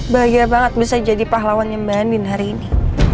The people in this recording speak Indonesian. bahagia banget bisa jadi pahlawan mbak andi hari ini